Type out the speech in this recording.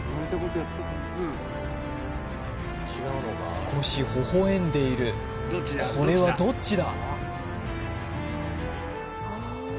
少しほほ笑んでいるこれはどっちだ？